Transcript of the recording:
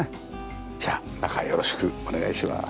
じゃあ中へよろしくお願いします。